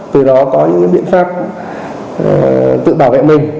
từ đó có những biện pháp tự bảo vệ mình